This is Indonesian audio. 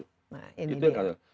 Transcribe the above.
nah ini dia